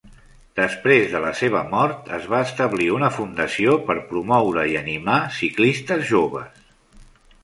Després de la seva mort es va establir una fundació per promoure i animar ciclistes joves.